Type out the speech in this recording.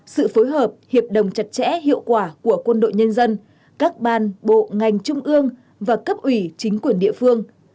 sự phối hợp hiệp đồng chặt chẽ hiệu quả của quân đội nhân dân các ban bộ ngành trung ương và cấp ủy chính quyền địa phương